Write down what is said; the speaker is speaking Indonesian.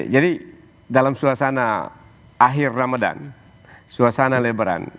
dalam suasana akhir ramadan suasana lebaran